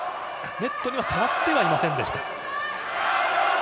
ネットには触ってはいませんでした。